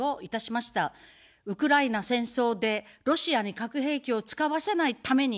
ウクライナ戦争でロシアに核兵器を使わせないために。